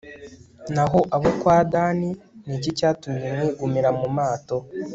naho abo kwa dani, ni iki cyatumye mwigumira mu mato